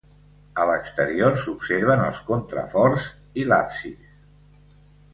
A l'exterior, s'observen els contraforts i l'absis.